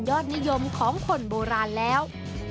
นิยมของคนโบราณแล้ว